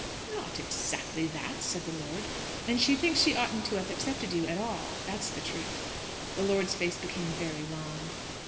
"Not exactly that," said the lord. "And she thinks she oughtn't to have accepted you at all, that's the truth." The lord's face became very long.